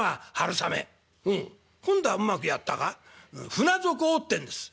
「『船底を』ってんです」。